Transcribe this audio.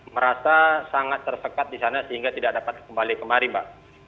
merasa sangat tersekat di sana sehingga tidak dapat kembali kemari mbak